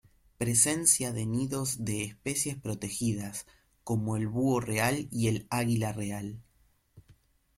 Presencia de nidos de especies protegidas, como el búho real y el águila real.